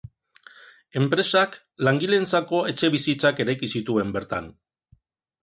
Enpresak langileentzako etxebizitzak eraiki zituen bertan.